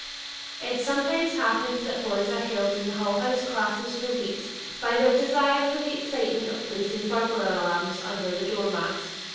It sometimes happens that boys are held in the Hull House classes for weeks by their desire for the excitement of placing burglar alarms under the door mats.